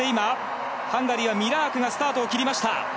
ハンガリーはミラークがスタートを切りました。